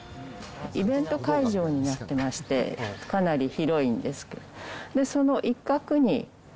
イベント会場になってまして、かなり広いんですけど。